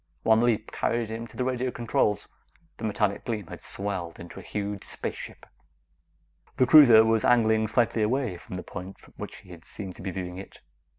One leap carried him to the radio controls. The metallic gleam had swelled into a huge spaceship. The cruiser was angling slightly away from the point from which he seemed to be viewing it.